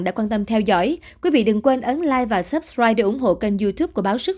đã quan tâm theo dõi quý vị đừng quên ấn like và subscribe để ủng hộ kênh youtube của báo sức